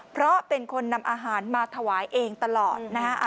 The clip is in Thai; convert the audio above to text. เพราะเป็นคนนำอาหารมาถวายเองตลอดนะฮะ